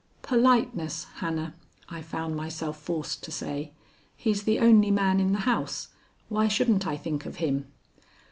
"Politeness, Hannah," I found myself forced to say. "He's the only man in the house. Why shouldn't I think of him?"